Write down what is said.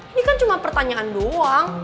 ini kan cuma pertanyaan doang